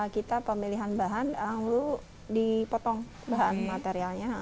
kita pemilihan bahan lalu dipotong bahan materialnya